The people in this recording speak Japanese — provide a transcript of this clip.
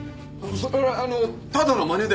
それはあのただのまねだよ。